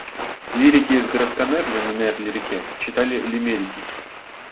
Лирики из городка Нерли на Нерли-реке читали лимерики.